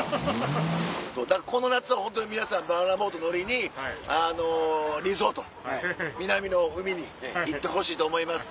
この夏はホントに皆さんバナナボート乗りにあのリゾート南の海に行ってほしいと思います。